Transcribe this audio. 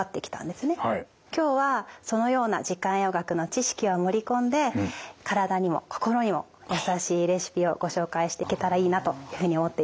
今日はそのような時間栄養学の知識を盛り込んで体にも心にも優しいレシピをご紹介していけたらいいなというふうに思っています。